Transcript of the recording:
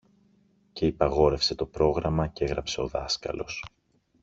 Και υπαγόρευσε το πρόγραμμα, κι έγραψε ο δάσκαλος